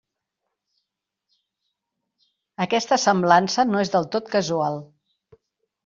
Aquesta semblança no és del tot casual.